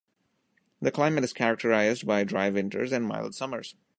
The climate is characterized by dry winters and mild summers.